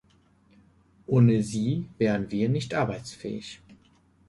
Ohne sie wären wir nicht arbeitsfähig.